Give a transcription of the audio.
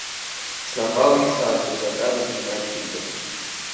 Снапала исааӡоз акадргьы маҷыҩӡам.